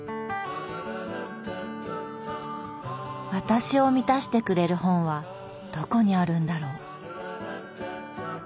私を満たしてくれる本はどこにあるんだろう。